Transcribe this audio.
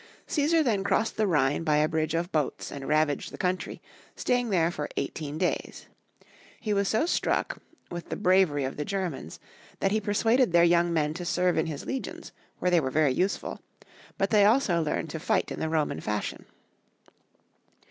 Caesar then crossed the Rliine by a bridge of boats and ravaged the country, staying there for eighteen days. He was so struck with the bravery of the * Honor prince. 80 THE VELLEDA 32 Young Folks' History of Crermany. Germans that he persuaded their young men to serve in his legions, where they were very useful ; but they also learned to fight in the Roman fashion.